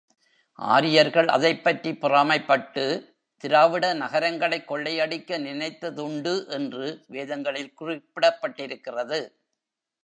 ஆரியர்கள் அதைப்பற்றிப் பொறாமைப்பட்டு, திராவிட நகரங்களைக் கொள்ளையடிக்க நினைத்ததுண்டு என்று வேதங்களில் குறிப்பிடப்பட்டிருக்கிறது.